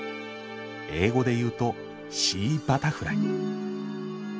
英語で言うとシーバタフライ。